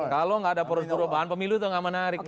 kalau gak ada proses perubahan pemilu itu gak menarik